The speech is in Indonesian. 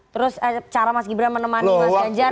terus cara mas gibran menemani mas ganjar